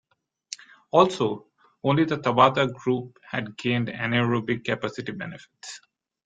Also, only the Tabata group had gained anaerobic capacity benefits.